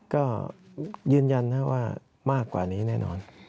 ก็ยืนยันมากกว่านี้แน่นอน